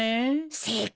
正解。